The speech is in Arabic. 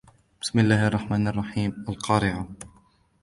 بسم الله الرحمن الرحيم القارعة